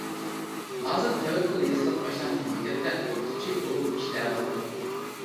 ھازىر تەۋەككۈل يېزىلىق باشلانغۇچ مەكتەپتە ئوقۇتقۇچى بولۇپ ئىشلەۋاتىدۇ.